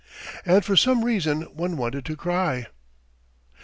And for some reason one wanted to cry.